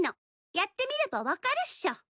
やってみれば分かるっしょ。